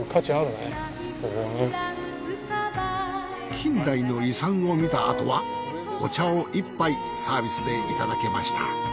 近代の遺産を見たあとはお茶を１杯サービスでいただけました。